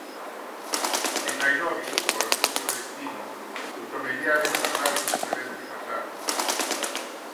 En Nairobi, o aeroporto de destino, os familiares tardaron en saber o que pasara.